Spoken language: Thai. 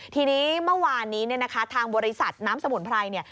ทีนี้เมื่อวานนี้ทางบริษัทน้ำสมุนไพร